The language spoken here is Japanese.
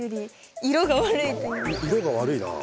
色が悪いなあ。